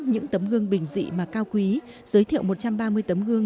những tấm gương bình dị mà cao quý giới thiệu một trăm ba mươi tấm gương